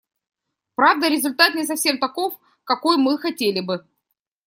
Правда, результат не совсем таков, какой мы хотели бы.